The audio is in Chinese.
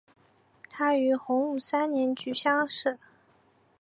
他于洪武三年举乡试。